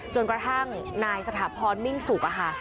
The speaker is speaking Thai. จนกระทั่งนายสถาพรมิ่งสุกอะค่ะ